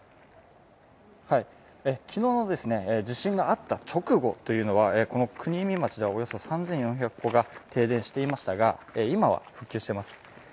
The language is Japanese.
昨日の地震があった直後というのはこの国見町ではおよそ３４００戸が停電していましたが今は復旧しています。